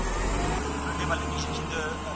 جرګه د هېواد د دودونو او عنعناتو یوه غني خزانه ده.